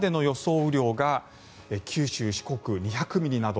雨量が九州、四国、２００ミリなど。